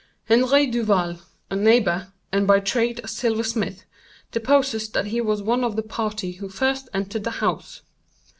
"Henri Duval, a neighbor, and by trade a silver smith, deposes that he was one of the party who first entered the house.